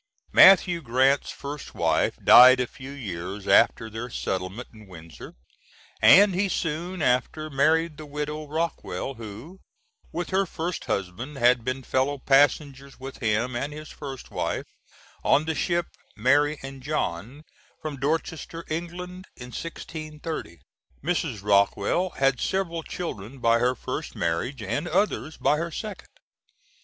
Mathew Grant's first wife died a few years after their settlement in Windsor, and he soon after married the widow Rockwell, who, with her first husband, had been fellow passengers with him and his first wife, on the ship Mary and John, from Dorchester, England, in 1630. Mrs. Rockwell had several children by her first marriage, and others by her second.